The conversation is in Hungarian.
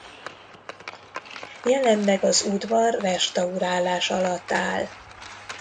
Jelenleg az udvar restaurálás alatt áll.